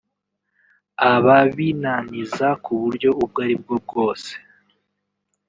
ababinaniza ku buryo ubwo ari bwo bwose